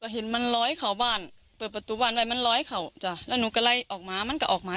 เห็นมันร้อยเขาบ้านเปิดประตูบ้านไว้มันร้อยเขาจ้ะแล้วหนูก็ไล่ออกมามันก็ออกมา